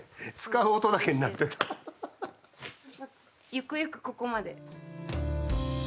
ゆくゆくここまで。